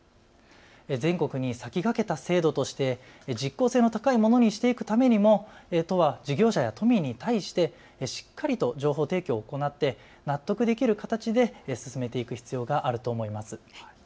全国に先駆けた制度として実効性の高いものにしていくためにも都は事業者や都民に対してしっかりと情報提供を行って納得できる形で進めていく必要があると思います。